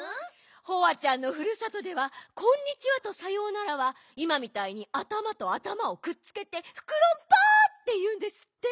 ホワちゃんのふるさとでは「こんにちは」と「さようなら」はいまみたいにあたまとあたまをくっつけて「フクロンパ！」っていうんですって。